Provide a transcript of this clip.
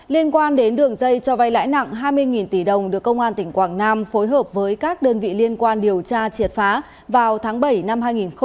liên quan đến đường dây cho vay lãi nặng hai mươi tỷ đồng được công an tỉnh quảng nam phối hợp với các đơn vị liên quan điều tra triệt phá vào tháng bảy năm hai nghìn hai mươi ba